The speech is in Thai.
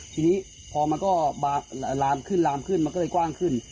ทีนี้พอมันก็ลามขึ้นลามขึ้นมันก็เลยกว้างขึ้น